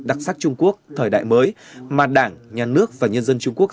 đặc sắc trung quốc thời đại mới mà đảng nhà nước và nhân dân trung quốc